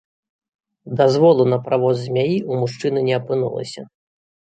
Дазволу на правоз змяі ў мужчыны не апынулася.